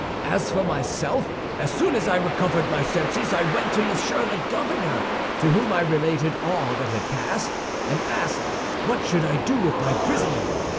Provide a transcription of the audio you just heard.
As for myself, as soon as I recovered my senses I went to Monsieur the Governor, to whom I related all that had passed, and asked, what I should do with my prisoner.